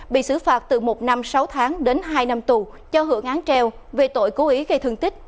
bị xử phạt từ một năm sáu tháng đến hai năm tù cho hưởng án treo về tội cố ý gây thương tích